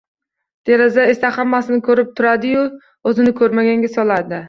Deraza esa hammasini ko’rib turadi-yu, o’zini ko’rmaganga soladi.